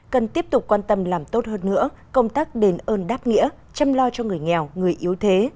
cần tiếp tục quan tâm làm tốt hơn nữa công tác đền ơn đáp nghĩa chăm lo cho người nghèo người yếu thế